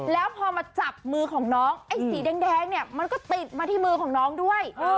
แล้วพอมาจับมือของน้องไอ้สีแดงเนี่ยมันก็ติดมาที่มือของน้องด้วย